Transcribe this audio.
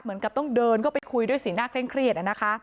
เหมือนกับต้องเดินเข้าไปคุยด้วยสีหน้าเคร่งเครียด